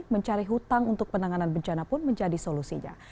mencari hutang untuk penanganan bencana pun menjadi solusinya